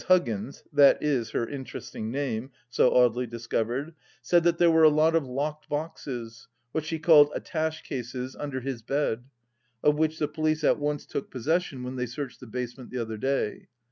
Huggins — ^that is her interesting name 1 so Audely discovered — said that there were a lot of locked boxes — ^what she called " attash cases "— ^under his bed, of which the police at once took possession when they searched the basement the other day.